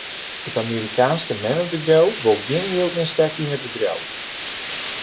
It Amerikaanske memmebedriuw wol gjin jild mear stekke yn it bedriuw.